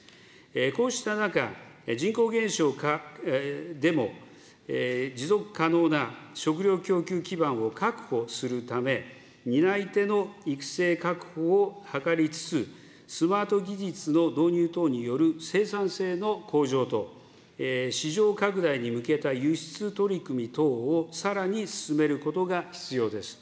こうした中、人口減少化でも持続可能な食料供給基盤を確保するため、担い手の育成確保を図りつつ、スマート技術の導入等による生産性の向上と、市場拡大に向けた輸出取り組み等をさらに進めることが必要です。